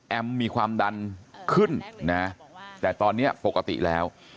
มีความดันขึ้นนะแต่ตอนนี้ปกติแล้ว